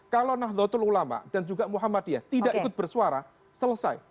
kalau nahdlatul ulama dan juga muhammadiyah tidak ikut bersuara selesai